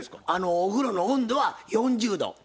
お風呂の温度は４０度。